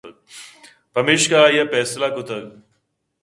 پمیشا آئیءَفیصلہ کُتگ